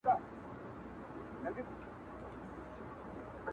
o نيمچه ملا سړی کفر ته باسي.